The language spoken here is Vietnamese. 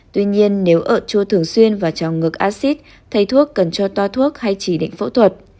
tuy nhiên nếu ợt chua thường xuyên và trong ngực acid thay thuốc cần cho toa thuốc hay chỉ định phẫu thuật